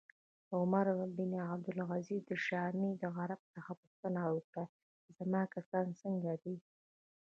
عمر بن عبدالعزیز د شامي عرب څخه پوښتنه وکړه چې زما کسان څنګه دي